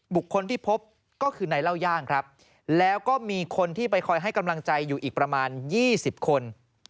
บุคคลที่พบก็คือนายเล่าย่างครับแล้วก็มีคนที่ไปคอยให้กำลังใจอยู่อีกประมาณ๒๐คน